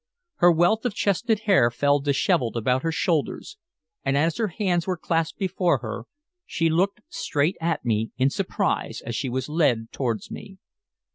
Her wealth of chestnut hair fell disheveled about her shoulders, and as her hands were clasped before her she looked straight at me in surprise as she was led towards me.